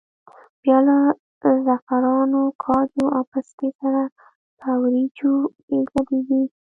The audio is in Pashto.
بیا له زعفرانو، کاجو او پستې سره په وریجو کې ګډېږي.